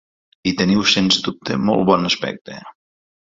I teniu sens dubte molt bon aspecte.